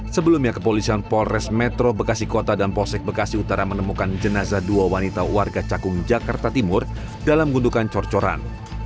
sebelumnya kepolisian polres metro bekasi kota dan polsek bekasi utara menemukan jenazah dua wanita warga cakung jakarta timur dalam gundukan corcoran